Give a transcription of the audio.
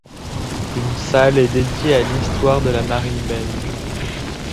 Une salle est dédiée à l'histoire de la Marine belge.